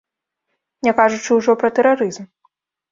Не кажучы ўжо пра тэрарызм.